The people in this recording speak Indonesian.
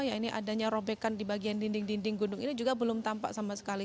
ya ini adanya robekan di bagian dinding dinding gunung ini juga belum tampak sama sekali